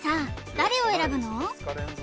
誰を選ぶの？